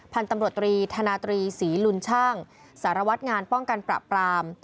พันธุ์ตำรวจตรีธนาตรีศรีลุนช่างสารวัตรงานป้องกันปราบปราม